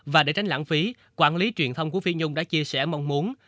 và để tránh lãng phí quản lý truyền thông của phi nhung đã chia sẻ mong muốn